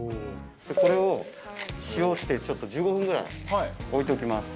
これを塩をしてちょっと１５分ぐらい置いておきます。